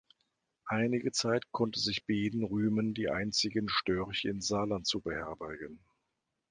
Einige Zeit konnte sich Beeden rühmen, die einzigen Störche im Saarland zu beherbergen.